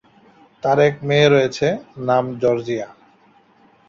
তার এক মেয়ে রয়েছে, নাম জর্জিয়া।